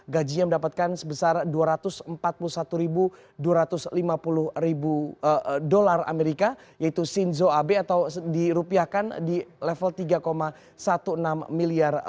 gajinya mendapatkan sebesar rp dua ratus empat puluh satu dua ratus lima puluh dolar amerika yaitu shinzo abe atau dirupiahkan di level tiga enam belas miliar